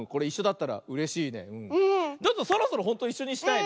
そろそろほんといっしょにしたいね。